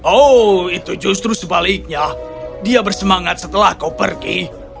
oh itu justru sebaliknya dia bersemangat setelah kau pergi